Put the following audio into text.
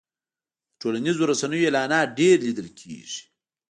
د ټولنیزو رسنیو اعلانات ډېر لیدل کېږي.